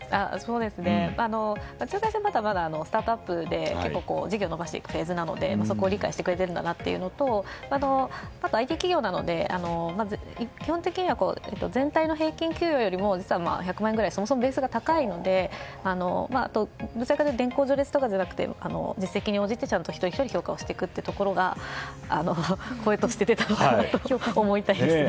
うちの会社はスタートアップで事業を伸ばしていくフェーズなのでそこを理解してくれているんだなというところとあと、ＩＴ企業なので基本的には全体の平均給与よりも実は１００万円くらいベースがそもそも高いのでどちらかというと年功序列とかではなくて実績に応じて一人ひとり評価していくというところが声として出たのかなと思いたいですね。